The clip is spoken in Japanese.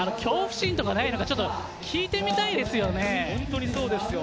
恐怖心とかないのか、聞いてみたいですよね。